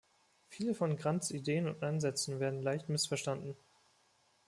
Viele von Grants Ideen und Ansätzen werden leicht missverstanden.